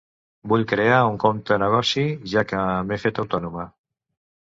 Vull crear un compte negoci, ja que m'he fet autònoma.